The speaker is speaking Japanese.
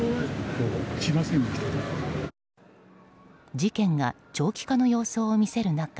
事件が長期化の様相を見せる中